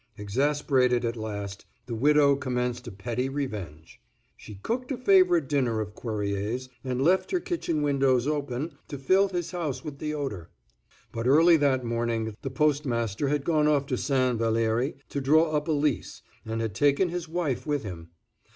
Exasperated, at last, the widow commenced a petty revenge. She cooked a favorite dinner of Cuerrier's, and left her kitchen windows open to fill his house with the odor. But, early that morning, the postmaster had gone off to St. Valérie to draw up a lease, and had taken his wife with him.